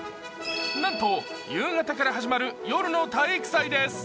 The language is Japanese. なんと夕方から始まる夜の体育祭です。